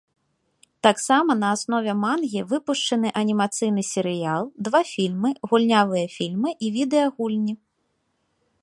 Таксама на аснове мангі выпушчаны анімацыйны серыял, два фільмы, гульнявыя фільмы і відэагульні.